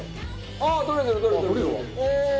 ああー取れてる取れてる！